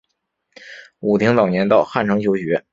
武亭早年到汉城求学。